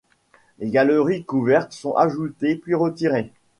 Des galeries couvertes sont ajoutées, puis retirées.